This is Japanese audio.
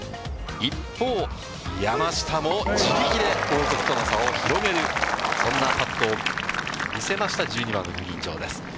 一方、山下も自力で後続との差を広げる、そんなパットを見せました、１２番のグリーン上です。